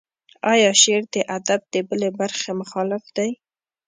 ایا شعر و ادب د بلې برخې مخالف دی.